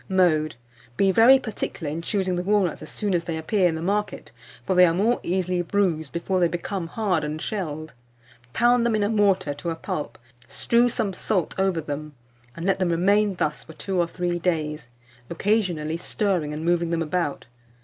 Mode. Be very particular in choosing the walnuts as soon as they appear in the market; for they are more easily bruised before they become hard and shelled. Pound them in a mortar to a pulp, strew some salt over them, and let them remain thus for two or three days, occasionally stirring and moving them about.